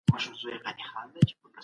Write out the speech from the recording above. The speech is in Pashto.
هغه سياست چي خلګو ته خدمت کوي ښه دی.